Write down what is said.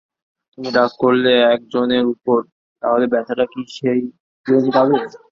তুমি রাগ করলে এক জনের উপর, তাহলে ব্যথাটা কি সেই জনই পাবে।